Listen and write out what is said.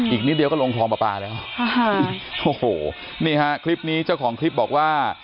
อีกนิดเดียวก็ลงคลองปลาปลาแล้วโอ้โหนี่ฮะคลิปนี้เจ้าของคลิปบอกว่า